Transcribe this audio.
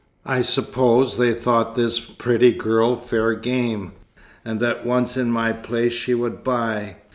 I suppose they thought this pretty girl fair game, and that once in my place she would buy.